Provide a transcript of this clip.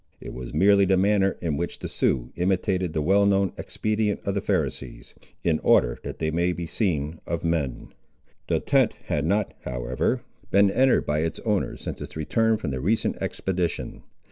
It was merely the manner in which the Sioux imitated the well known expedient of the Pharisees, "in order that they might be seen of men." The tent had not, however, been entered by its owner since his return from the recent expedition.